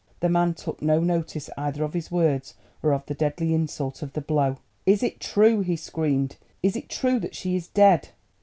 The man took no notice either of his words or of the deadly insult of the blow. "Is it true?" he screamed, "is it true that she is dead?"